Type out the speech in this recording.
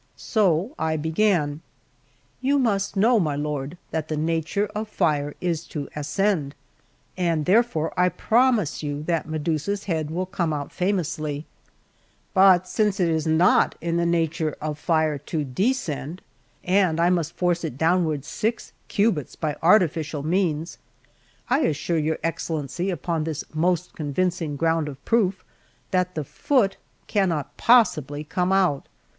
So I began: "You must know, my lord, that the nature of fire is to ascend, and therefore I promise you that Medusa's head will come out famously; but since it is not in the nature of fire to descend, and I must force it downwards six cubits by artificial means, I assure your Excellency upon this most convincing ground of proof that the foot cannot possibly come out.